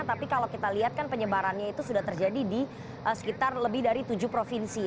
tapi kalau kita lihat kan penyebarannya itu sudah terjadi di sekitar lebih dari tujuh provinsi